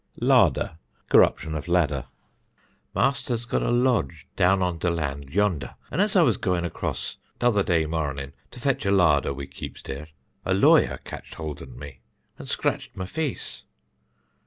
Larder (Corruption of ladder): "Master's got a lodge down on the land yonder, and as I was going across t'other day morning to fetch a larder we keeps there, a lawyer catched holt an me and scratched my face."